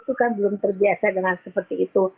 itu kan belum terbiasa dengan seperti itu